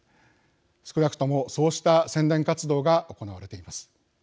少なくとも、そうした宣伝活動が行われています。